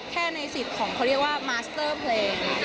ในสิทธิ์ของเขาเรียกว่ามาสเตอร์เพลง